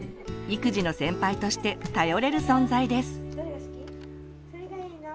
育児の先輩として頼れる存在です。